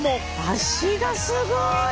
脚がすごい。